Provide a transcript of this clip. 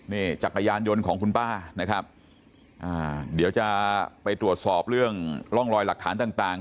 นี่จักรยานยนต์ของคุณป้านะครับอ่าเดี๋ยวจะไปตรวจสอบเรื่องร่องรอยหลักฐานต่าง